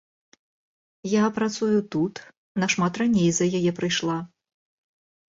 Я працую тут, нашмат раней за яе прыйшла.